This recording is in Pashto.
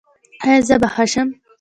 ایا زه به ښه شم؟